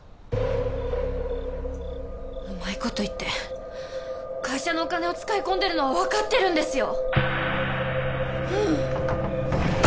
うまい事言って会社のお金を使い込んでるのはわかってるんですよ！